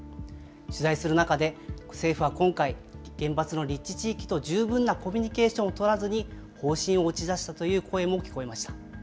取材する中で、政府は今回、原発の立地地域と十分なコミュニケーションを取らずに、方針を打ち出したという声も聞こえました。